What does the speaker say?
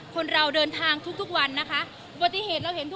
ก็น่าสงสารแก